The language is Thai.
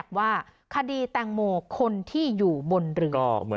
ปอล์กับโรเบิร์ตหน่อยไหมครับ